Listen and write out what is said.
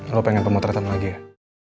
lo pengen pemotretan lagi ya